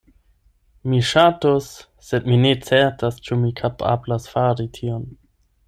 Mi ŝatus, sed mi ne certas ĉu mi kapablas fari tion.